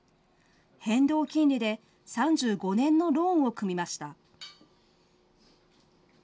変動金利で３５年のローンを組みました。